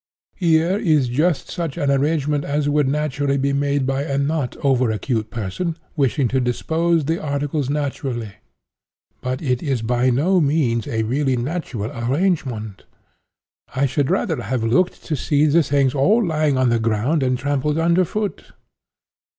Here is just such an arrangement as would naturally be made by a not over acute person wishing to dispose the articles naturally. But it is by no means a really natural arrangement. I should rather have looked to see the things all lying on the ground and trampled under foot.